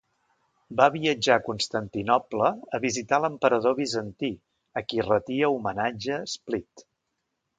Va viatjar a Constantinoble a visitar l'emperador bizantí, a qui retia homenatge Split.